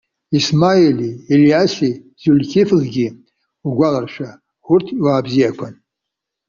Исмаили, Елиасеи, Зиулқьифлгьы угәаларшәа. Урҭ, иуаа бзиақәан.